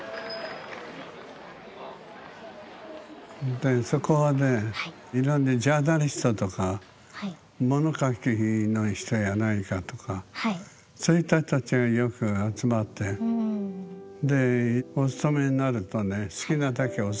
でそこはねいろんなジャーナリストとか物書きの人や何かとかそういった人たちがよく集まってでお勤めになるとね